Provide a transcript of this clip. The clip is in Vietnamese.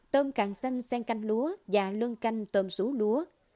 tôm càng xanh sen canh lúa và lưng canh tôm sú lúa